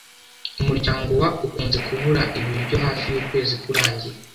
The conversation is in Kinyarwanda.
Umuryango wa ukunze kubura ibiryo hafi yukwezi kurangiye.